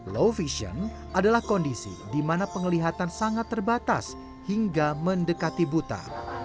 low vision adalah kondisi di mana penglihatan sangat terbatas hingga mendekati buta